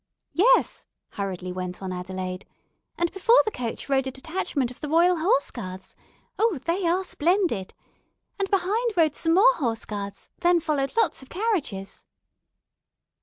"Yes," hurriedly went on Adelaide, "and before the coach rode a detachment of the Royal Horse Guards. Oh, they are splendid! And behind rode some more Horse Guards; then followed lots of carriages."